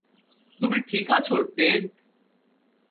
তুমি ঠিক আছ, টেড?